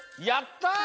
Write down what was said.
やった！